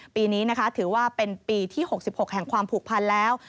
ปีนี้นะคะถือว่าเป็นปีที่๖๖แห่งความผูกพันแล้ว